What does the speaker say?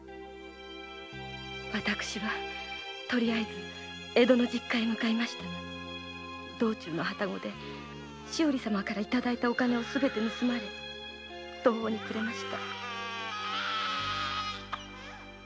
私はとりあえず江戸の実家へ向かいましたが道中の旅篭で柴折様から頂いたお金をすべて盗まれ途方にくれました。